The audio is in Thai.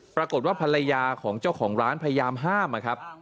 ปรากฏว่าภรรยาของเจ้าของร้านพยายามห้ามนะครับ